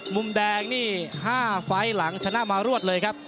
มุมแดงนี่๕ไฟล์หลังชนะมารวดเลยครับ